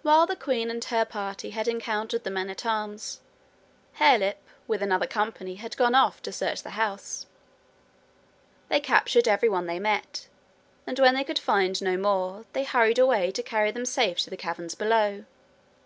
While the queen and her party had encountered the men at arms, Harelip with another company had gone off to search the house. They captured every one they met, and when they could find no more, they hurried away to carry them safe to the caverns below.